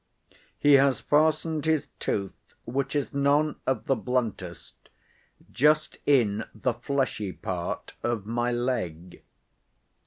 he has fastened his tooth, which is none of the bluntest, just in the fleshy part of my leg."